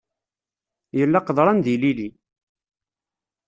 Yella qeḍran d yilili.